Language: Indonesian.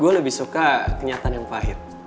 gue lebih suka kenyataan yang pahit